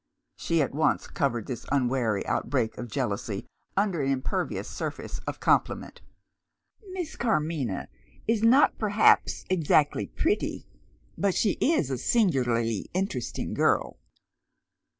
She at once covered this unwary outbreak of jealousy under an impervious surface of compliment. "Miss Carmina is not perhaps exactly pretty, but she is a singularly interesting girl."